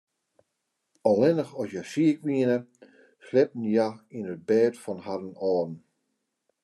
Allinnich as hja siik wiene, sliepten hja yn it bêd fan harren âlden.